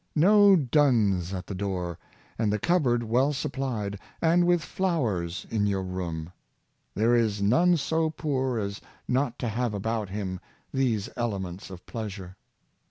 — no duns at the door, and the cupboard 3 S4 The Beaidy of A rt, well supplied, and with flowers in your room! There is none so poor as not to have about him these elernents of pleasure.